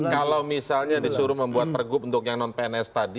kalau misalnya disuruh membuat pergub untuk yang non pns tadi